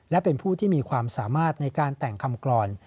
และเป็นผู้ที่มีความสามารถในการแต่งคำกรอน